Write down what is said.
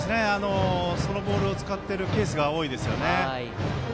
そのボールを使っているケースが多いですね。